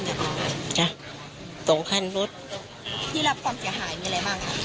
เนี่ยอ่ะสองคันรถที่รับความเสียหายมีอะไรบ้างอ่ะ